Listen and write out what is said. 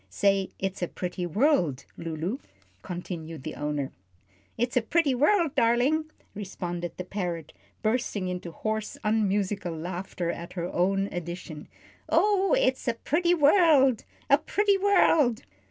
"Say 'It's a pretty world,' Lulu," continued her owner. "It's a pretty world, darlin'," responded the parrot, bursting into hoarse, unmusical laughter at her own addition. "Oh, it's a pretty world a pretty world!"